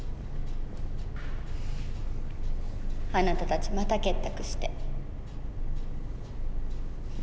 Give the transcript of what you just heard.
あなたたちまた結託して。